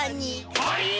はい！？